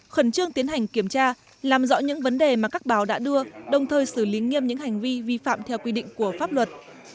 khẩn trương tiến hành kiểm tra làm rõ những vấn đề mà các báo đã đưa đồng thời xử lý nghiêm những hành vi vi phạm theo quy định của pháp luật